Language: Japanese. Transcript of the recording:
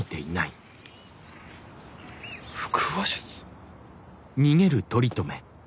腹話術？